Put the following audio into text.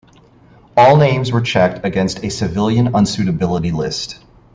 All names were checked against a civilian unsuitability list.